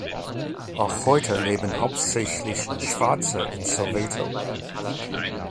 Auch heute leben hauptsächlich Schwarze in Soweto.